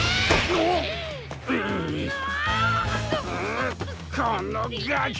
うこのガキ！